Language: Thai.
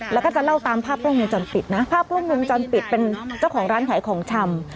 แล้วก็จะเล่าตามภาพกล้องวงจรปิดนะภาพกล้องวงจรปิดเป็นเจ้าของร้านขายของชำ